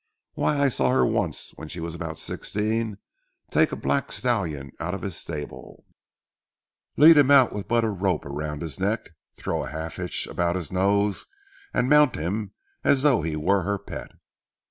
Why, I saw her once when she was about sixteen, take a black stallion out of his stable,—lead him out with but a rope about his neck,—throw a half hitch about his nose, and mount him as though he was her pet.